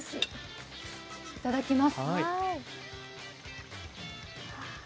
いただきます。